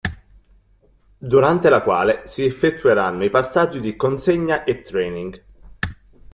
Durante la quale si effettueranno i passaggi di consegna e training.